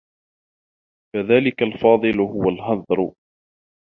فَذَلِكَ الْفَاضِلُ هُوَ الْهَذْرُ